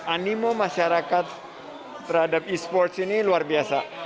animo masyarakat terhadap e sports ini luar biasa